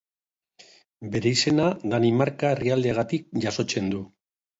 Bere izena Danimarka herrialdeagatik jasotzen du.